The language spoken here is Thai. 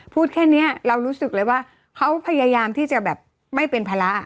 พูดแค่นี้เรารู้สึกเลยว่าเขาพยายามที่จะแบบไม่เป็นภาระ